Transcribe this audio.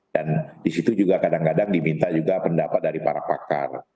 dan di situ juga kadang kadang diminta juga pendapat dari para pakar